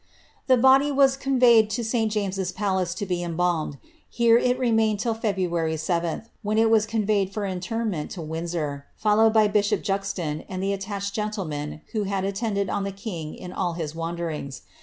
* The body was conveyed to St. James's palace to be embalmed ; here it remained till February 7, when it was conveyed for interment to Windsor, followed by bishop Juxon and the attached gentlemen who liad attended on the king in all his wanderings.